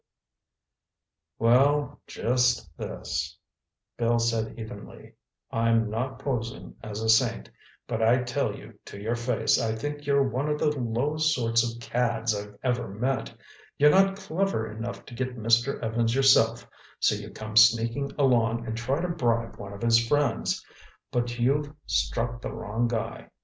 "Well, just this—" Bill said evenly, "I'm not posing as a saint, but I tell you to your face I think you're one of the lowest sorts of cads I've ever met. You're not clever enough to get Mr. Evans yourself, so you come sneaking along and try to bribe one of his friends. But you've struck the wrong guy.